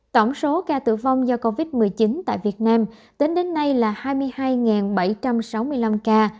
tổng số ca tử vong do covid một mươi chín tại việt nam tính đến nay là hai mươi hai bảy trăm sáu mươi năm ca